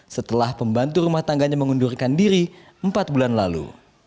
setelah pembantu rumah tangganya mengundurkan diri empat bulan lalu